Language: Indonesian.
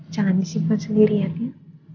jangan disimpan sendirian ya